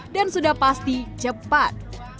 dan sudah pasti cepat